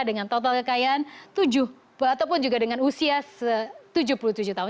dengan total kekayaan tujuh ataupun juga dengan usia tujuh puluh tujuh tahun